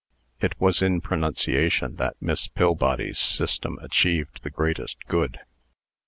It was in pronunciation that Miss Pillbody's system achieved the greatest good.